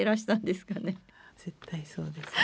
絶対そうですね。